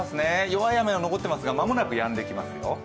弱い雨が残っていますが間もなくやんできますよ。